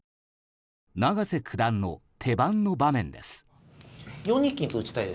永瀬九段の手番の場面です。